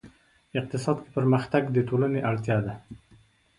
اقتصاد کې پرمختګ د ټولنې اړتیا ده.